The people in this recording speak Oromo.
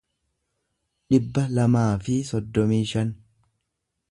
dhibba lamaa fi soddomii shan